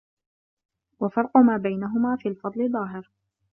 وَفَرْقُ مَا بَيْنَهُمَا فِي الْفَضْلِ ظَاهِرٌ